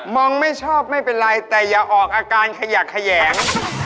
งไม่ชอบไม่เป็นไรแต่อย่าออกอาการขยักแขยง